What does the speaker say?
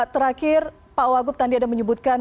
terakhir pak wagub tadi ada menyebutkan